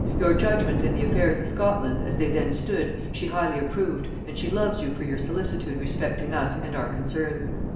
Your judgement in the affairs of Scotland, as they then stood, she highly approved, and she loves you for your solicitude respecting us and our concerns.